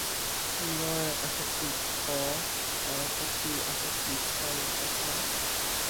mi jo e akesi po, e poki akesi san taso.